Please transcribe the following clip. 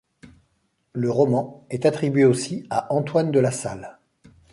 Le roman est attribué aussi à Antoine de La Sale.